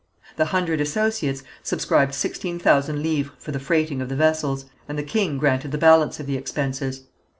The Hundred Associates subscribed sixteen thousand livres for the freighting of the vessels, and the king granted the balance of the expenses.